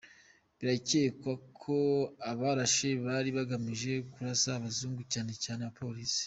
Birakekwa ko abarashe bari bagamije kurasa abazungu cyane cyane abapolisi.